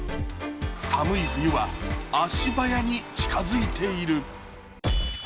寒い冬は足早に近づいている。